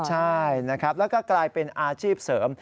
ใช่นะครับแล้วก็กลายเป็นอาชีพเสริม